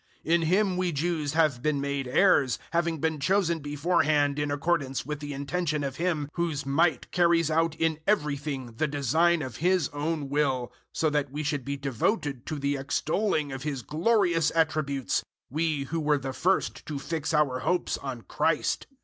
001:011 In Him we Jews have been made heirs, having been chosen beforehand in accordance with the intention of Him whose might carries out in everything the design of His own will, 001:012 so that we should be devoted to the extolling of His glorious attributes we who were the first to fix our hopes on Christ.